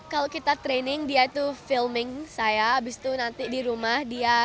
kalau kita training dia itu filming saya abis itu nanti di rumah dia